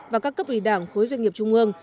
và các cấp ủy đảng khối doanh nghiệp trung ương